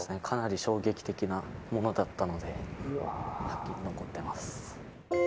かなり衝撃的なものだったので、はっきり覚えてます。